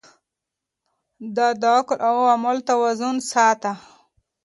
ده د عقل او عمل توازن ساته.